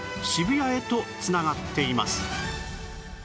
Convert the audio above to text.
渋谷へと繋がっています